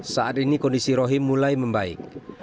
saat ini kondisi rohim mulai membaik